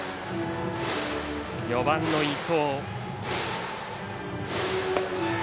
４番の伊藤。